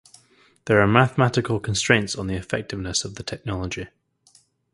There are mathematical constraints on the effectiveness of the technology.